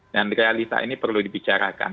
dan realitas ini perlu dibicarakan